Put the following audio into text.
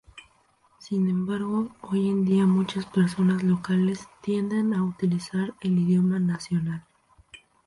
Sin embargo, hoy en día muchas personas locales tienden a utilizar el idioma nacional.